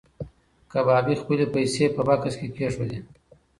کبابي خپلې پیسې په بکس کې کېښودې.